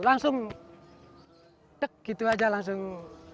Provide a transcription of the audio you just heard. langsung dek gitu aja langsung